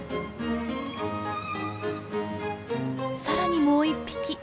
さらにもう１匹。